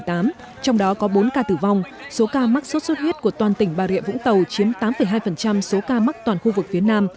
trong đó có bốn ca tử vong số ca mắc sốt xuất huyết của toàn tỉnh bà rịa vũng tàu chiếm tám hai số ca mắc toàn khu vực phía nam